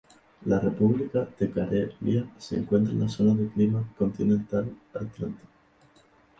La república de Carelia se encuentra en la zona de clima continental atlántico.